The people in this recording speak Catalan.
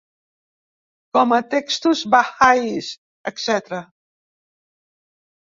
Com a textos bahá'ís, etc.